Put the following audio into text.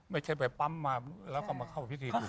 ไม่ใช่ไปปั๊มมาแล้วก็มาเข้าพิธีปรุกเสริม